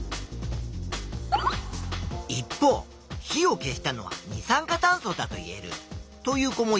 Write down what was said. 一方火を消したのは二酸化炭素だといえるという子もいたぞ。